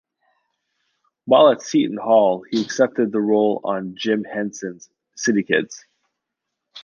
While at Seton Hall, he accepted a role on Jim Henson's "CityKids".